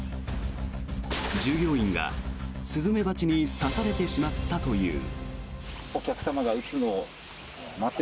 従業員がスズメバチに刺されてしまったという。